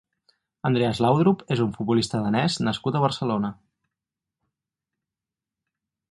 Andreas Laudrup és un futbolista danès nascut a Barcelona.